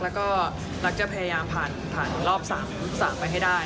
แล้วก็รักจะพยายามผ่านรอบ๓ไปให้ได้